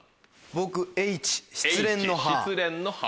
僕Ｈ失恋の「はぁ」。